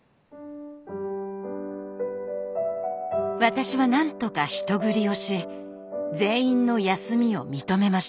私は何とか人繰りをし全員の休みを認めました。